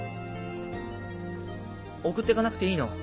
送って行かなくていいの？